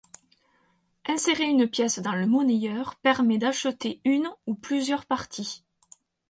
Insérer une pièce dans le monnayeur permet d'acheter une ou plusieurs parties.